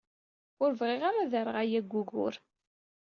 Ur bɣiɣ ara ad rreɣ aya d ugur.